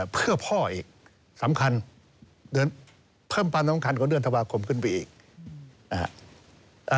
เพื่อพ่ออีกสำคัญเดือนเพิ่มปันสำคัญก็เดือนธันวาคมขึ้นไปอีกอ่า